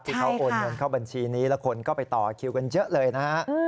โอนเงินเข้าบัญชีนี้แล้วคนก็ไปต่อคิวกันเยอะเลยนะฮะ